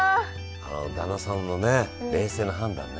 あの旦那さんのね冷静な判断ね。